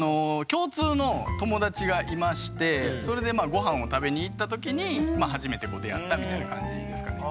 共通の友達がいましてそれでごはんを食べに行った時に初めて出会ったみたいな感じですかね。